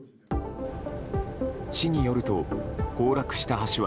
市によると、崩落した橋は